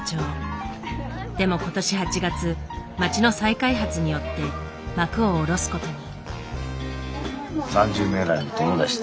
でも今年８月街の再開発によって幕を下ろすことに。